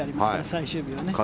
最終日は。